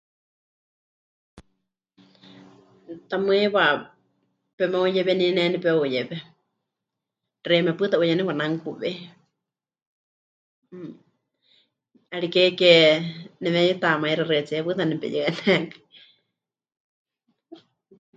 Tamɨ́ heiwa pemeuyewení ne nepeuyewe, xeíme pɨta huyé nekwananukuwei, 'ariké ke nemeyutamaixɨa xaɨtsíe pɨta nepeyɨanekai.